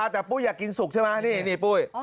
แต่ปุ้ยอยากกินสุกใช่ไหมนี่ปุ้ย